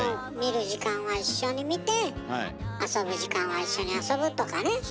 見る時間は一緒に見て遊ぶ時間は一緒に遊ぶとかね。